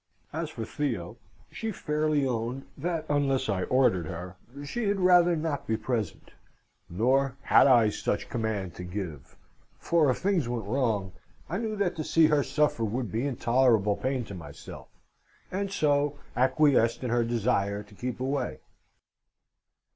As for Theo, she fairly owned that, unless I ordered her, she had rather not be present, nor had I any such command to give, for, if things went wrong, I knew that to see her suffer would be intolerable pain to myself, and so acquiesced in her desire to keep away.